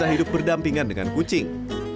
mereka harus cukup berdampingan dengan kucing